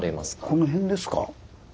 この辺ですか。